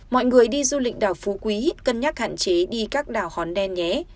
mọi người đi du lịch đảo phú quý cân nhắc hạn chế đi các đảo hòn đen nhé